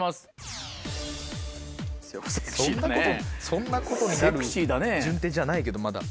そんなことになる順じゃないけどまだ。